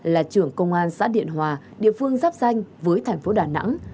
là trưởng công an xã điện hòa địa phương giáp danh với thành phố đà nẵng